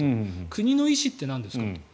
国の意思ってなんですかと。